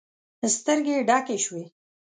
سترګې يې ډکې شوې.